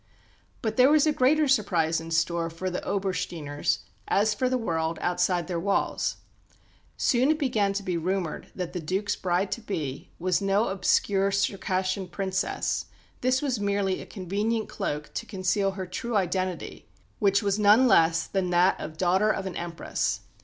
But there was a greater surprise in store for the Obersteiners, as for the world outside their walls. Soon it began to be rumoured that the Duke's bride to be was no obscure Circassian Princess; this was merely a convenient cloak to conceal her true identity, which was none less than that of daughter of an Empress!